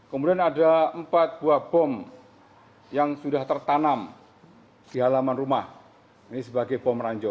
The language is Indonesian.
kemudian ada empat buah bom yang sudah tertanam di halaman rumah ini sebagai bom ranjau